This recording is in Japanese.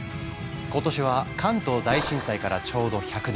今年は関東大震災からちょうど１００年。